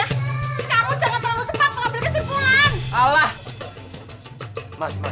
kamu jangan terlalu cepat mengambil kesimpulan